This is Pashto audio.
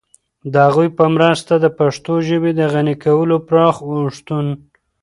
د هغوی په مرسته د پښتو ژبې د غني کولو پراخ اوښتون